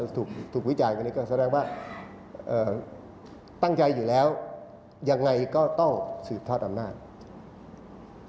ถูกวิจารณ์วันนี้ก็แสดงว่าตั้งใจอยู่แล้วยังไงก็ต้องสืบทอดอำนาจ